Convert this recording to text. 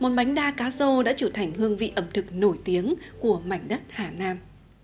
một bánh đa cá rô đã trở thành hương vị ẩm thực nổi tiếng của mảnh đất hà nam